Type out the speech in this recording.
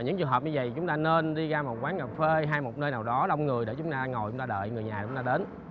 những trường hợp như vậy chúng ta nên đi ra một quán cà phê hay một nơi nào đó đông người để chúng ta ngồi chúng ta đợi người nhà chúng ta đến